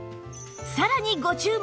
さらにご注目